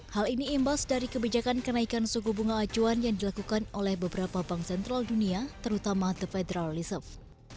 hal ini imbas dari kebijakan kenaikan suku bunga acuan yang dilakukan oleh beberapa bank sentral dunia terutama the federal reserve